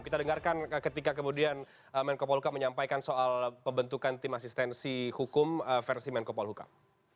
kita dengarkan ketika kemudian menko polhukam menyampaikan soal pembentukan tim asistensi hukum versi menko polhukam